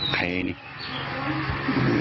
ใครนี่